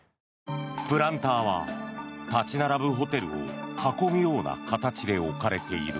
プランターは立ち並ぶホテルを囲むような形で置かれている。